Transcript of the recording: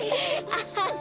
アハハ。